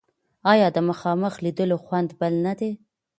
آیا د مخامخ لیدلو خوند بل نه دی؟